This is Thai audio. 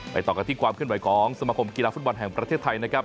ต่อกันที่ความเคลื่อนไหวของสมคมกีฬาฟุตบอลแห่งประเทศไทยนะครับ